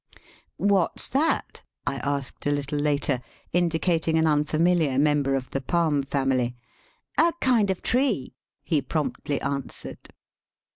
''What's that?" I asked a little later, indicating an unfamiliar member of the palm family. " A kind of tree," he promptly answered.